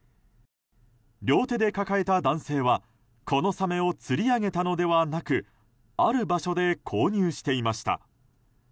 両手で抱えた男性はこのサメを釣り上げたのではなくある場所で購入していました。